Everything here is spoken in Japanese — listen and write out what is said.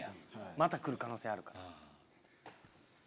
また来る可能性あるから。